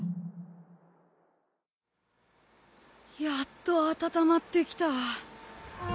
やっと温まってきた。